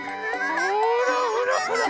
ほらほらほら。